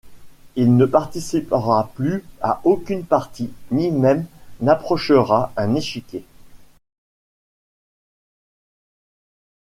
Il ne participera plus à aucune partie, ni même n'approchera un échiquier.